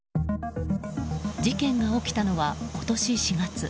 事件が起きたのは今年４月。